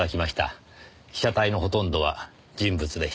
被写体のほとんどは人物でした。